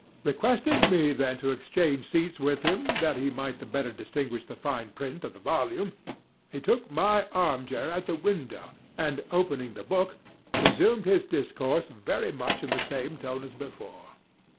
Requesting me then to exchange seats with him, that he might the better distinguish the fine print of the volume, he took my armchair at the window, and, opening the book, resumed his discourse very much in the same tone as before.